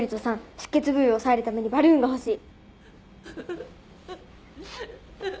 出血部位を押さえるためにバルーンが欲しい。